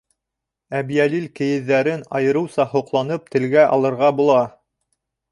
Әбйәлил кейеҙҙәрен айырыуса һоҡланып телгә алырға була.